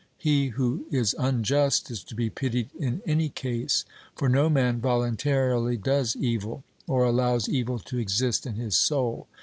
He who is unjust is to be pitied in any case; for no man voluntarily does evil or allows evil to exist in his soul.